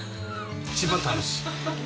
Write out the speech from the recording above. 一番楽しい。